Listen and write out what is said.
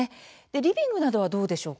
リビングなどはどうでしょうか？